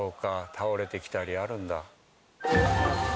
倒れてきたりあるんだ。